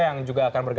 yang juga akan berkongsi